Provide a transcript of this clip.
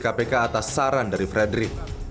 kpk atas saran dari frederick